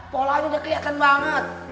polanya udah keliatan banget